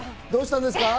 どうしたんですか？